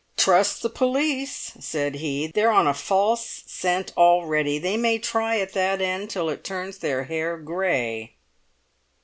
"Trust the police!" said he. "They're on a false scent already; they may try at that end till it turns their hair grey!"